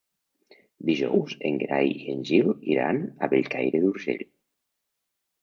Dijous en Gerai i en Gil iran a Bellcaire d'Urgell.